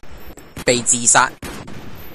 被自殺